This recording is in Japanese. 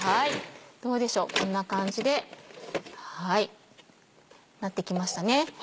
どうでしょうこんな感じでなってきましたね。